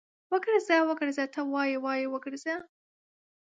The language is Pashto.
وګرځه، وګرځه ته وايې، وايه وګرځېدم